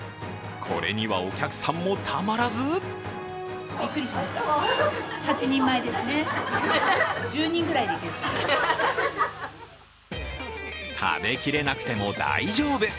これにはお客さんもたまらず食べきれなくても大丈夫。